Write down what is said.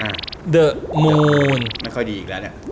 ห้าเหรียญ